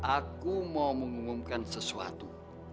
aku mau mengumumkan sesuatu